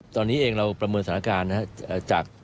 ตอนนี้เองเราประเมินสถานการณ์นะครับ